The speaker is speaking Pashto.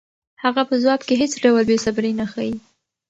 هغه په ځواب کې هېڅ ډول بېصبري نه ښيي.